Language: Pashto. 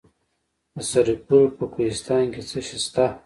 د سرپل په کوهستان کې څه شی شته؟